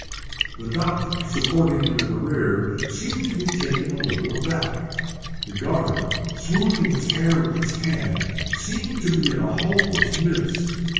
The doctor, supporting him in the rear, seemed to be taken a little aback. The governor, smoothing his hair with his hand, seemed to be in a hopeless mist.